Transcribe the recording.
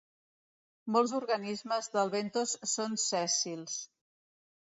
Molts organismes del bentos són sèssils.